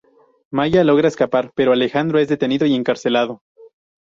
Maya logra escapar, pero Alejandro es detenido y encarcelado.